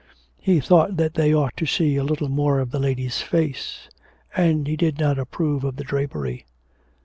He thought that they ought to see a little more of the lady's face; and he did not approve of the drapery.